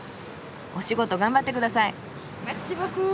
お仕事頑張ってください。